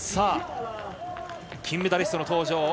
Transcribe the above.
金メダリストの登場。